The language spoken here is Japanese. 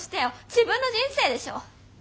自分の人生でしょう？